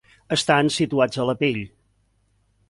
Estan situats a la pell.